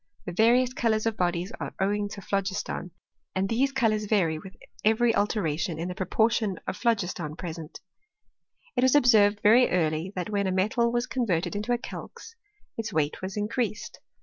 The various colours of bodies are owing to phlogis ton, and these colours vary with every alteration in the proportion of phlogiston present. It was observed very early that when a metal was converted into a calx its weight was increased.